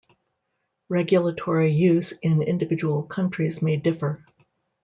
Regulatory use in individual countries may differ.